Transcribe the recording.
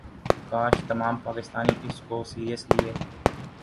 کاش تمام پاکستانی اس کو سیرس لیے